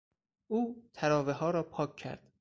او تراوهها را پاک کرد.